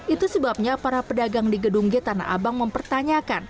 itu sebabnya para pedagang di gedung g tanah abang mempertanyakan